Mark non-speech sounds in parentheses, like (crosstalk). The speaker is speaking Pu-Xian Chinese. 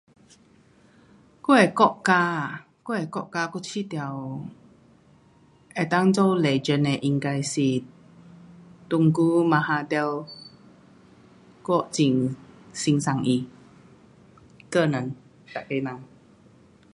我的国家啊，我的国家我觉得能够做 legend 的应该是 Tunku Mahathir 我很欣赏他，个人。 (noise)